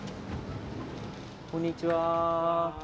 こんにちは。